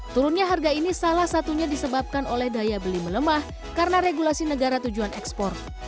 turunnya harga ini salah satunya disebabkan oleh daya beli melemah karena regulasi negara tujuan ekspor